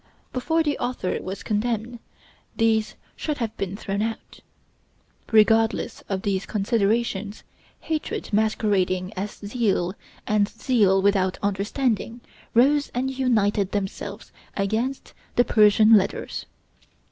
Before the author was condemned, these should have been thrown out. Regardless of these considerations, hatred masquerading as zeal, and zeal without understanding, rose and united themselves against the 'Persian Letters.'